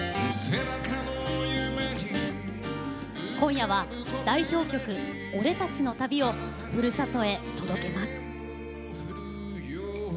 今夜は代表曲「俺たちの旅」をふるさとへ届けます。